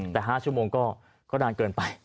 แต่๕ชั่วโมงก็นานเกินไป